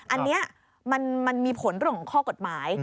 อันนี้มันมีผลเรื่องของข้อกฎหมาย